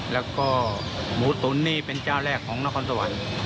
แล้วก็หมูตุ๋นนี่เป็นเจ้าแรกของนครสวรรค์